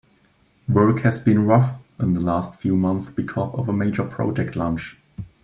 Work has been rough in the last few months because of a major project launch.